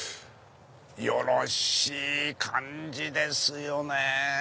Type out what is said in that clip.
よろしい感じですよね。